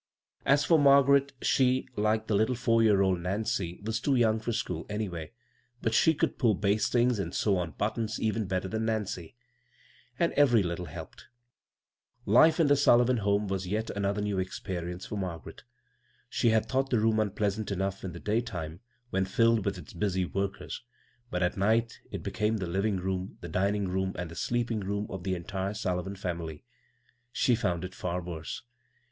As for Mar garet, she, like the litde four year old Nancy, was too young lor school, anyway, but she could pull bastings and sew on buttons even better than Nancy ; and every little helped I Liie in the Sullivan hcMne was yet another new experience for Margaret She had thought the room unpleasant enough in the day time when filled with its busy workers, but at night when it became the living room, the dining room, and the sleeping room of the entire Sullivan family, she found it iai worse.